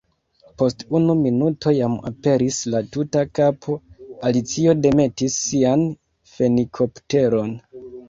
Post unu minuto jam aperis la tuta kapo. Alicio demetis sian fenikopteron.